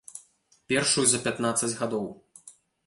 Першую за пятнаццаць гадоў.